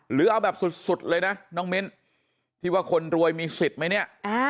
หรือเอาแบบสุดเลยนะน้องมิ้นที่ว่าคนรวยมีสิทธิ์ไหมเนี่ย